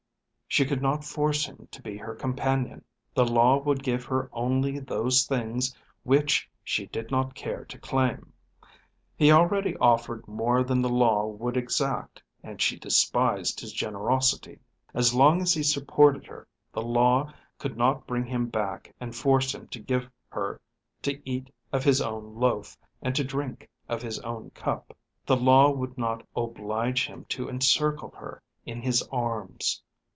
She could not force him to be her companion. The law would give her only those things which she did not care to claim. He already offered more than the law would exact, and she despised his generosity. As long as he supported her the law could not bring him back and force him to give her to eat of his own loaf, and to drink of his own cup. The law would not oblige him to encircle her in his arms.